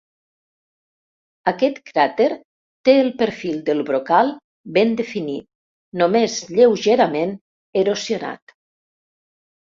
Aquest cràter té el perfil del brocal ben definit, només lleugerament erosionat.